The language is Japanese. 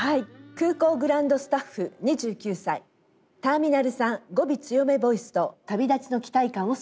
「空港グランドスタッフ２９歳ターミナル産語尾強めボイスと旅立ちの期待感を添えて」。